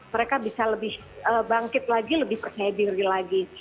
mereka bisa lebih bangkit lagi lebih persediaan lagi